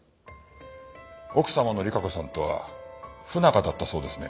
奥様の莉華子さんとは不仲だったそうですね。